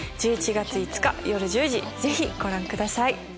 １１月５日夜１０時ぜひご覧ください。